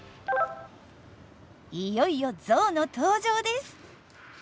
いよいよゾウの登場です！